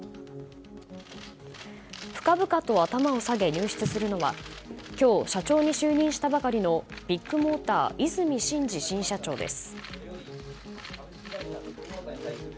深々と頭を下げ入室するのは今日、社長に就任したばかりのビッグモーター和泉伸二新社長です。